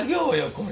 これ！